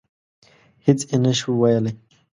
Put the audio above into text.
هېڅ یې نه شو ویلای.